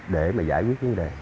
để mà giải quyết vấn đề